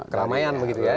keramaian begitu ya